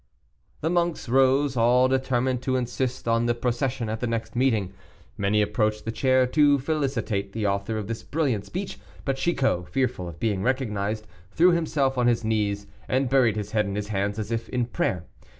The monks rose, all determined to insist on the procession at the next meeting. Many approached the chair to felicitate the author of this brilliant speech; but Chicot, fearful of being recognized, threw himself on his knees and buried his head in his hands, as if in prayer.